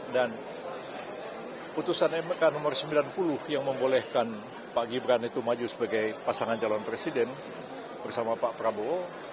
dan keputusan mk nomor sembilan puluh yang membolehkan pak gibrane itu maju sebagai pasangan calon presiden bersama pak prabowo